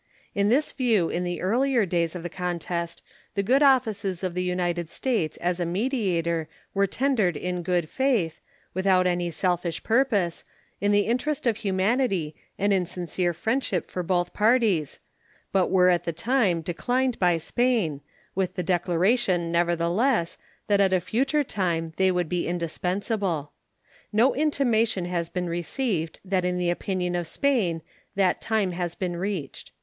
In this view in the earlier days of the contest the good offices of the United States as a mediator were tendered in good faith, without any selfish purpose, in the interest of humanity and in sincere friendship for both parties, but were at the time declined by Spain, with the declaration, nevertheless, that at a future time they would be indispensable. No intimation has been received that in the opinion of Spain that time has been reached.